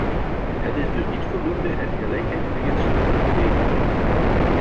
Het is dus niet voldoende het gelijkheidsbeginsel te verdedigen.